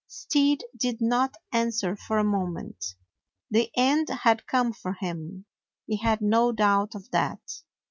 Stead did not answer for a moment. The end had come for him; he had no doubt of that.